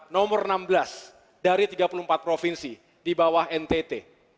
nomor enam belas dari tiga puluh empat provinsi di bawah ntt